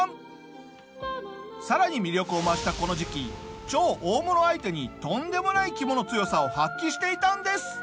さらに魅力を増したこの時期超大物相手にとんでもない肝の強さを発揮していたんです！